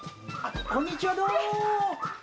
こんにちは、どうも。